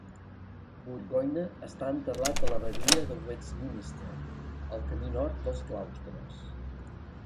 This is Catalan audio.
Burgoyne està enterrat a l'Abadia de Westminster, al camí nord dels claustres.